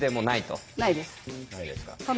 ないですか。